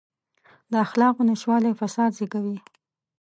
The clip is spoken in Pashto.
د اخلاقو نشتوالی فساد زېږوي.